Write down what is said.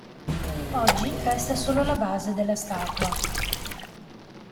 Oggi resta solo la base della statua.